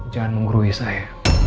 jangan menggurui saya